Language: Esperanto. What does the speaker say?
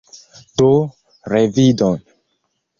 Do, revidon!